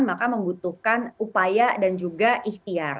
maka membutuhkan upaya dan juga ikhtiar